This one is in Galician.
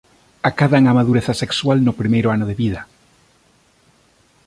Acadan a madureza sexual no primeiro ano de vida.